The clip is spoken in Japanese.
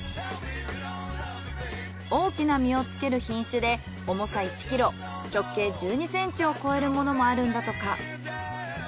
大きな実をつける品種で重さ１キロ直径１２センチを超えるものもあるんだとか。